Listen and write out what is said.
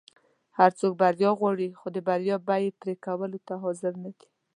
هر څوک بریا غواړي خو د بریا بیی پری کولو ته حاضر نه دي.